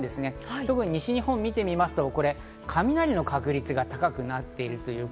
特に西日本を見てみますと雷の確率が高くなっている。